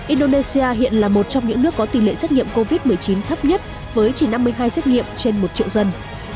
indonesia hiện là một trong những nước có tỷ lệ xét nghiệm covid một mươi chín thấp nhất với chỉ năm mươi hai xét nghiệm trên một triệu dân